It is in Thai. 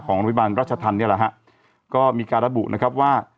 โรงพยาบาลราชธรรมนี่แหละฮะก็มีการระบุนะครับว่า